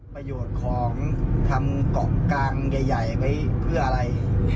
ประโยชน์ของทำเกาะกลางใหญ่ไว้เพื่ออะไร